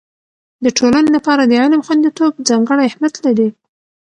د ټولنې لپاره د علم خوندیتوب ځانګړی اهميت لري.